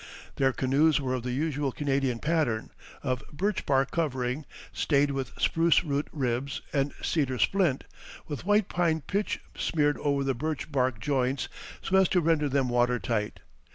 Their canoes were of the usual Canadian pattern, of birch bark covering, stayed with spruce root ribs and cedar splint, with white pine pitch smeared over the birch bark joints so as to render them water tight.